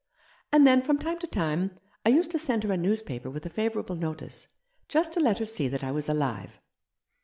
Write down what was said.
And then from time to time I used to send her a newspaper with a favourable notice, just to let her see that I was alive."